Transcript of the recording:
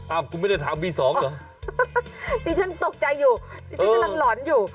อ้าวคุณไม่ได้ถามบีสองเหรอนี่ฉันตกใจอยู่นี่ฉันกำลังหลอนอยู่